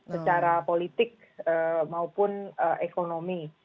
secara politik maupun ekonomi